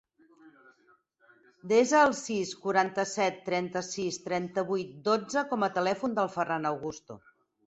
Desa el sis, quaranta-set, trenta-sis, trenta-vuit, dotze com a telèfon del Ferran Augusto.